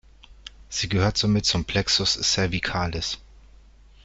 Sie gehört somit zum Plexus cervicalis.